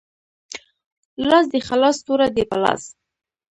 لاس دی خلاص توره دی په لاس